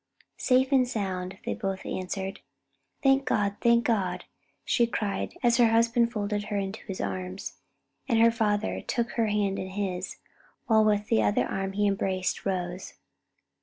"Safe and sound," they both answered. "Thank God! thank God!" she cried as her husband folded her in his arms, and her father took her hand in his, while with the other arm he embraced Rose.